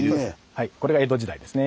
はいこれが江戸時代ですね。